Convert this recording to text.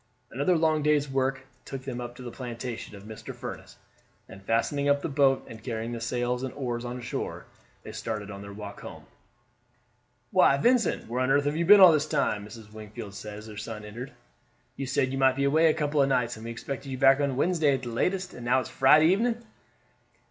Another long day's work took them up to the plantation of Mr. Furniss, and fastening up the boat, and carrying the sails and oars on shore, they started on their walk home. "Why, Vincent, where on earth have you been all this time?" Mrs. Wingfield said as her son entered. "You said you might be away a couple of nights; and we expected you back on Wednesday at the latest, and now it is Friday evening."